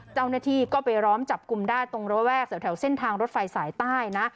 เจ้าหน้าที่ก็ไปล้อมจับกลุ่มได้ตรงระแวกแถวเส้นทางรถไฟสายใต้นะ